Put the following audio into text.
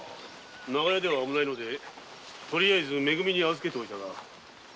長屋では危ないので「め組」へ預けておいたが。